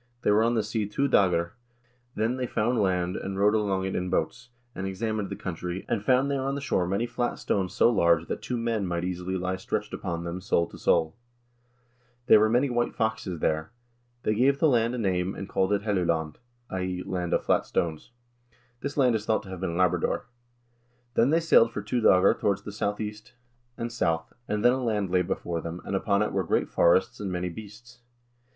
They were on the sea two doegr} Then they found land, and rowed along it in boats, and examined the country, and found there on the shore many flat stones so large that two men might easily lie stretched upon them sole to sole. There were many white foxes there. They gave the land a name and called it 'Helluland' {i.e. Land of Flat Stones)." This land is thought to have been Labrador. Then they sailed for two doegr towards the southeast and south, and then a land lay before them, and upon it were great forests and many beasts.